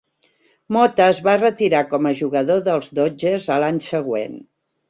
Mota es va retirar com a jugador dels Dodgers a l'any següent.